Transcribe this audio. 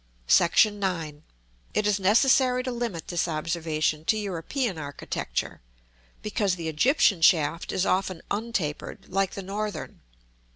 § IX. It is necessary to limit this observation to European architecture, because the Egyptian shaft is often untapered, like the Northern.